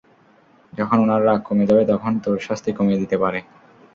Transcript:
যখন উনার রাগ কমে যাবে, তখন তোর শাস্তি কমিয়ে দিতে পারে।